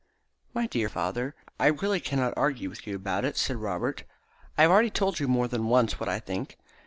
"My dear father, I really cannot argue with you about it," said Robert. "I have already told you more than once what I think.